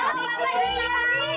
pak pak pak